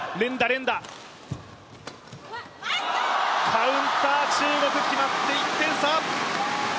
カウンター、中国決まって１点差。